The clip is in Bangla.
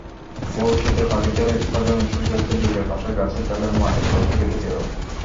ভবিষ্যতে পাখিদের প্রজনন সুবিধার্থে বিলের পাশে গাছের ডালে মাটির কলসি বেঁধে দেব।